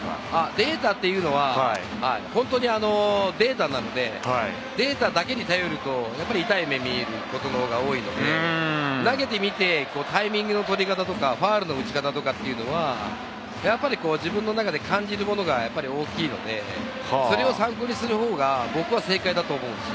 データは本当にデータなので、データだけに頼ると痛い目をみることが多いので、投げてみてタイミングの取り方とか、ファウルの打ち方とか、自分の中で感じるものが大きいので、それを参考にする方が僕は正解だと思うんです。